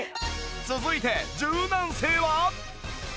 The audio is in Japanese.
続いて柔軟性は？